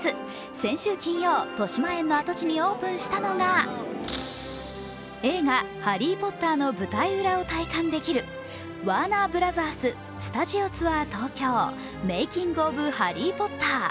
先週金曜、としまえんの跡地にオープンしたのが映画「ハリー・ポッター」の舞台裏を体感できるワーナーブラザーススタジオツアー東京−メイキング・オブ・ハリー・ポッター